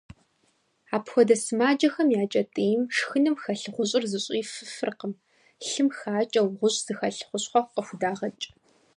Апхуэдэ сымаджэхэм я кӏэтӏийм шхыным хэлъ гъущӏыр зыщӏифыфыркъыми, лъым хакӏэу гъущӏ зыхэлъ хущхъуэ къыхудагъэкӏ.